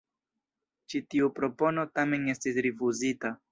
Ĉi tiu propono tamen estis rifuzita.